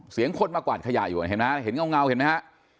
เสียงคนมากวาดขยะอยู่เห็นไหมเห็นเงาเห็นไหมฮะ